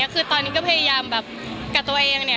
คือตอนนี้ก็พยายามแบบกัดตัวเอง